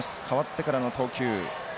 代わってからの投球。